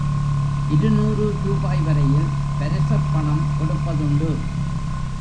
இருநூறு ரூபாய் வரையில் பரிசப்பணம் கொடுப்பதுண்டு.